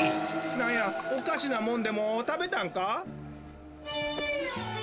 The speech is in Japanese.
なんやおかしなもんでもたべたんか？